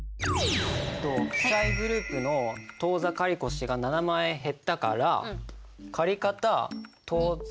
負債グループの当座借越が７万円減ったから借方当座。